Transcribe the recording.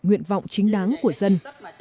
nguyện vọng chính đáng của dân